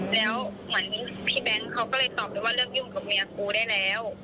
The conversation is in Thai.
แล้วเหมือนพี่แบงค์เขาก็เลยตอบไปว่าเริ่มยุ่งกับเมียกูได้แล้ว